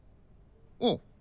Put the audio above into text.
うん。